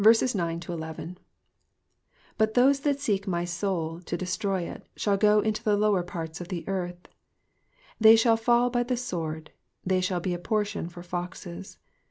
9 But those tAat seek my soul, to destroy //, shall go into the lower parts of the earth. ID They shall fall by the sword : they shall be a portion for foxes.